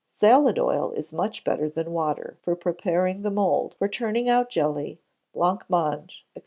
Salad oil is much better than water for preparing the mould for turning out jelly, blancmange, &c.